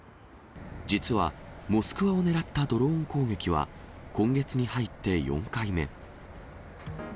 実は、モスクワを狙ったドローン攻撃は、今月に入って４回目。